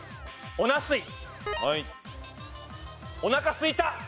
おなかすいた。